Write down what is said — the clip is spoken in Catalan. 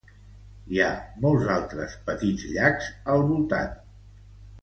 Hi ha molts altres petits llacs al voltant.